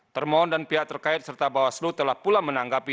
termohon dan pihak terkait serta bawaslu telah pula menanggapi